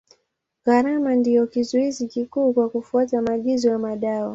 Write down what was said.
Gharama ndio kizuizi kikuu kwa kufuata maagizo ya madawa.